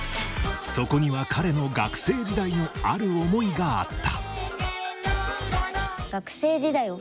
そこには彼の学生時代のある思いがあった。